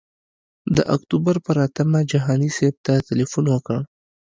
د اکتوبر پر اتمه جهاني صاحب ته تیلفون وکړ.